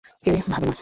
কেউই ভাবে না।